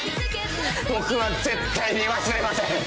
僕は絶対に忘れません！